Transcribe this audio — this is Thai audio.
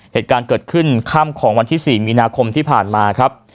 เหตุการณ์เกิดขึ้นค่ำของวันที่๔มีนาคมที่ผ่านมาครับ